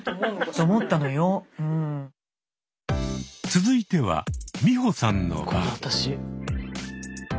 続いては美穂さんの番。え？